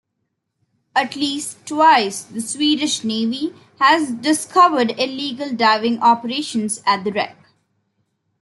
At least twice, the Swedish Navy has discovered illegal diving operations at the wreck.